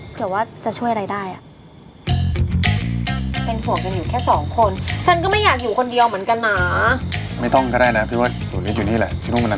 เผื่อโจมมันมาแถวนี้พี่เดี๋ยวผมไปดูเอง